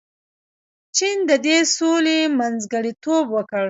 چین د دې سولې منځګړیتوب وکړ.